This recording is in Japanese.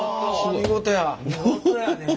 見事やね